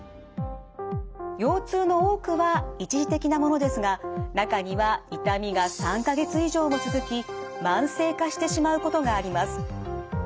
腰痛の多くは一時的なものですが中には痛みが３か月以上も続き慢性化してしまうことがあります。